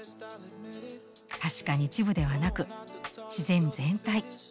確かに一部ではなく自然全体。